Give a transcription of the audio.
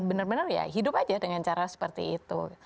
benar benar ya hidup aja dengan cara seperti itu